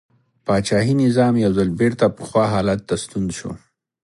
پاچاهي نظام یو ځل بېرته پخوا حالت ته ستون شو.